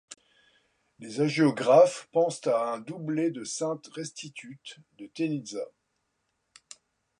Les hagiographes pensent à un doublet de sainte Restitute de Teniza.